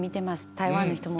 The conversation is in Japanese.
台湾の人も。